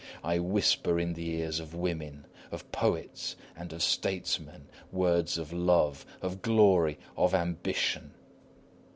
I whisper in the ears of women, of poets, and of statesmen, words of love, of glory, of ambition.